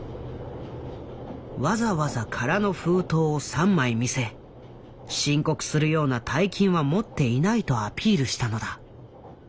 わざわざ空の封筒を３枚見せ申告するような大金は持っていないとアピールしたのだ。